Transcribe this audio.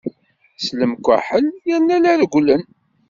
S lemkaḥel, yerna la regglen.